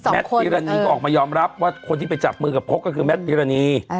แมสฟีรณีออกมายอมรับว่าคนที่ไปจับมือกับพก็คือแมสฟีรณี